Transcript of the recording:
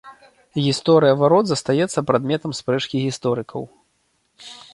Гісторыя варот застаецца прадметам спрэчкі гісторыкаў.